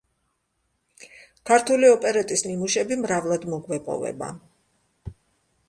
ქართული ოპერეტის ნიმუშები მრავლად მოგვეპოვება.